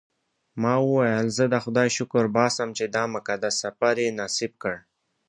ما وویل زه د خدای شکر باسم چې دا مقدس سفر یې نصیب کړ.